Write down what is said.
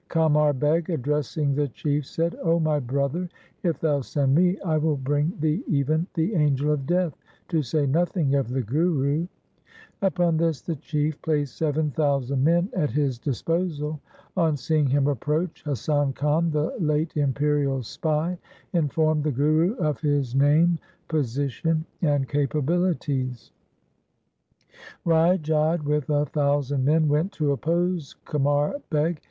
Oamar Beg addressing the Chief said, ' O my brother, if thou send me, I will bring thee even the angel of Death, to say nothing of the Guru ?' Upon this the Chief placed seven thousand men at his disposal. On seeing him approach, Hasan Khan, the late imperial spy, informed the Guru of his name, position, and capabilities. Rai Jodh with a thousand men went to oppose Qamar Beg.